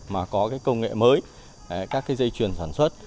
mà có công nghệ mới các dây truyền sản xuất